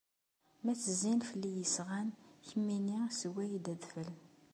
Ma tezzin fell-i yesɣan, kemmini sewway-d adfel.